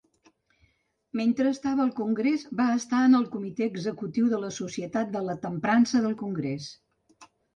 Mentre estava al Congrés, va estar en el Comitè Executiu de la societat de la temprança del Congrés.